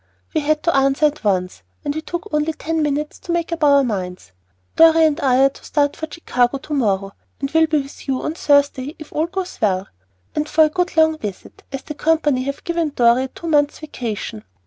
We had to answer at once, and we took only ten minutes to make up our minds. Dorry and I are to start for Chicago to morrow, and will be with you on Thursday if all goes well, and for a good long visit, as the company have given Dorry a two months' vacation.